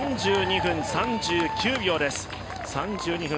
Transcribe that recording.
３２分３９秒です。